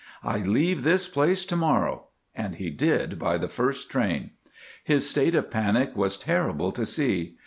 I leave this place to morrow"—and he did by the first train. His state of panic was terrible to see.